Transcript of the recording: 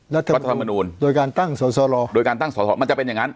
รัฐธรรมนูลโดยการตั้งสอสรโดยการตั้งสอสอมันจะเป็นอย่างนั้น